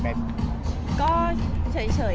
แม็กซ์ก็คือหนักที่สุดในชีวิตเลยจริง